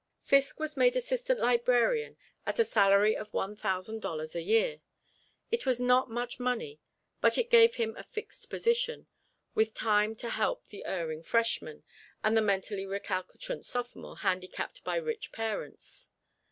Fiske was made assistant librarian at a salary of one thousand dollars a year. It was not much money, but it gave him a fixed position, with time to help the erring freshman and the mentally recalcitrant sophomore handicapped by rich parents.